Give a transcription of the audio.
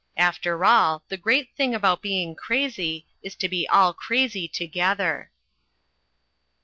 After all, the great thing about being crazy is to be all crazy together.